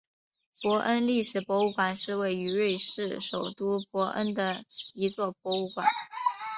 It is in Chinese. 伯恩历史博物馆是位于瑞士首都伯恩的一座博物馆。